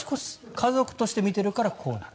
家族として見てるからこうなる。